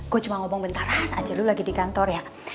gue cuma ngomong bentaran aja lu lagi di kantor ya